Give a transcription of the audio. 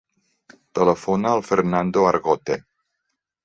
Telefona al Fernando Argote.